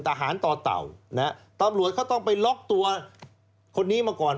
ต่อเต่านะฮะตำรวจเขาต้องไปล็อกตัวคนนี้มาก่อน